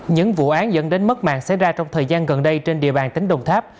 những vụ án dẫn đến mất mạng xảy ra trong thời gian gần đây trên địa bàn tỉnh đồng tháp